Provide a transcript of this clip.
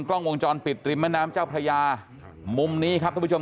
กล้องวงจรปิดริมแม่น้ำเจ้าพระยามุมนี้ครับท่านผู้ชม